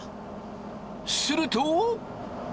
すると。